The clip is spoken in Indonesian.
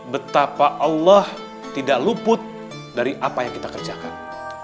betapa allah tidak luput dari apa yang kita kerjakan